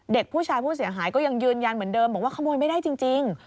เด็กผู้ชายผู้เสียหายก็ยังยืนยันเหมือนเดิมบอกว่าขโมยไม่ได้จริง